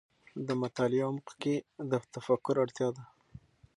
د مطالعې عمق کې د تفکر اړتیا ده.